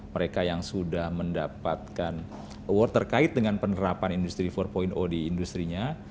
mereka yang sudah mendapatkan award terkait dengan penerapan industri empat di industri nya